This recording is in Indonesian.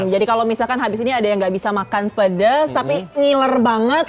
jadi kalau misalkan habis ini ada yang nggak bisa makan pedas tapi ngiler banget